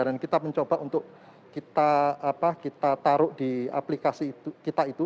dan kita mencoba untuk kita taruh di aplikasi kita itu